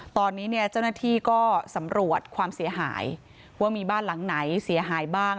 ตอนนี้เนี่ยเจ้าหน้าที่ก็สำรวจความเสียหายว่ามีบ้านหลังไหนเสียหายบ้าง